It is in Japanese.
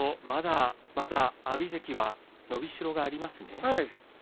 まだまだ伸びしろはありますね。